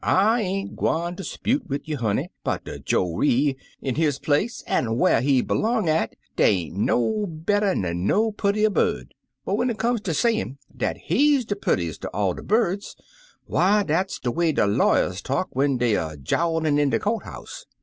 I ain't gwine ter 'spute wid you, honey, 'bout de joree; in his place an' whar he b'longs at, dey ain't no better ner no purtier bird; but when it comes ter sayin' dat he's de purtiest er all de birds, why, dat's de way de lawyers talk when dey er jowerin' in de court house.